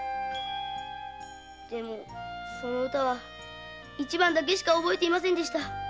でもその歌は一番だけしか覚えていません。